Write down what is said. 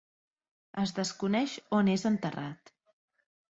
Es desconeix on és enterrat.